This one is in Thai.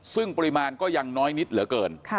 ซึ่งปริมาณก็ยังน้อยนิดเหลือเกิน